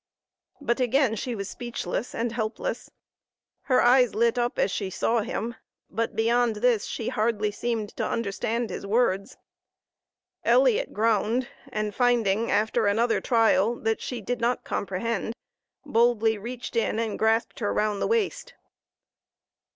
But again she was speechless and helpless. Her eyes lit up as she saw him, but beyond this she hardly seemed to understand his words. Elliot groaned, and finding, after another trial, that she did not comprehend, boldly reached in and grasped her round the waist.